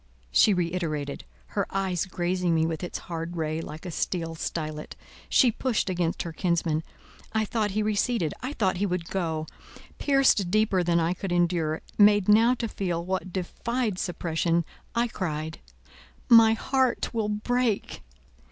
she reiterated, her eye grazing me with its hard ray like a steel stylet. She pushed against her kinsman. I thought he receded; I thought he would go. Pierced deeper than I could endure, made now to feel what defied suppression, I cried— "My heart will break!"